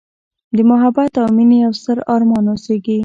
د محبت او میینې یوستر ارمان اوسیږې